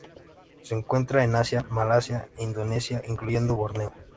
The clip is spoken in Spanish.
Se encuentran en Asia: Malasia e Indonesia, incluyendo Borneo.